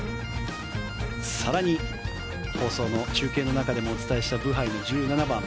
更に放送の中継の中でもお伝えしたブハイの１７番。